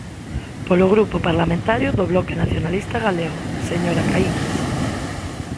Polo Grupo Parlamentario do Bloque Nacionalista Galego, señora Caíñas.